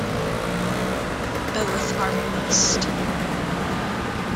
Both are released.